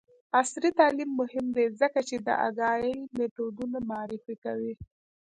عصري تعلیم مهم دی ځکه چې د اګایل میتودونه معرفي کوي.